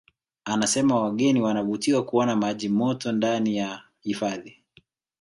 Anasema wageni wanavutiwa kuona maji moto ndani ya hifadhi